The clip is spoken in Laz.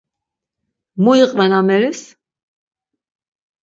Mu iqven ameris?